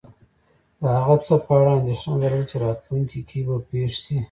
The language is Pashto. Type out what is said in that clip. د هغه څه په اړه انېښنه لرل چی راتلونکي کې به پیښ شې